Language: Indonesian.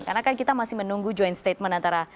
karena kan kita masih menunggu joint statement antara